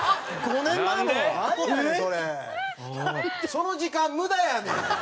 その時間無駄やねん！